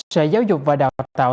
sở giáo dục và đào tạo